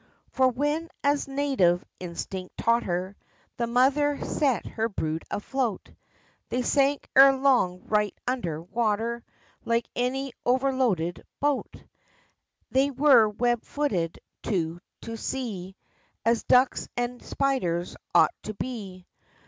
For when, as native instinct taught her, The mother set her brood afloat, They sank ere long right under water, Like any overloaded boat; They were web footed too to see, As ducks and spiders ought to be!